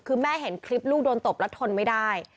คือแม่เห็นคลิปลูกโดนตบแล้วทนไม่ได้